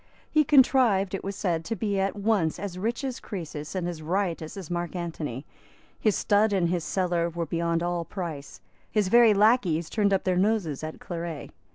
He contrived, it was said, to be at once as rich as Croesus and as riotous as Mark Antony. His stud and his cellar were beyond all price. His very lacqueys turned up their noses at claret.